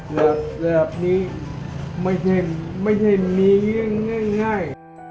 ระดับระดับนี้ไม่ใช่ไม่ใช่มีง่ายง่าย